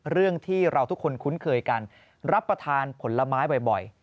เรื่องที่เราทุกคนคุ้นเคยกันรับประทานผลไม้บ่อย